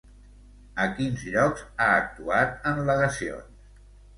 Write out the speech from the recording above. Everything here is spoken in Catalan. A quins llocs ha actuat en legacions?